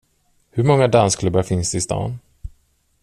Hur många dansklubbar finns det i stan?